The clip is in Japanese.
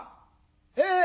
「へえ！